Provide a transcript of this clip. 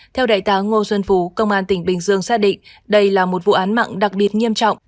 theo đại tá ngô xuân phú công an tỉnh bình dương xác định đây là một vụ án mạng đặc biệt nghiêm trọng